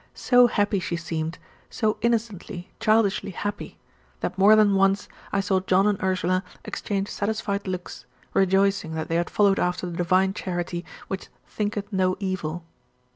So happy she seemed, so innocently, childishly happy; that more than once I saw John and Ursula exchange satisfied looks, rejoicing that they had followed after the divine charity which "thinketh no evil."